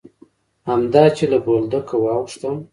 همدا چې له بولدکه واوښتم.